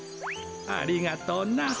ありがとうな。